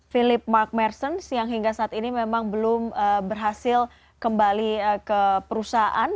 philip mark mersons yang hingga saat ini memang belum berhasil kembali ke perusahaan